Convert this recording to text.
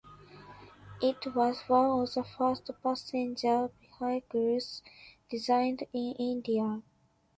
It was one of the first passenger vehicles designed in India.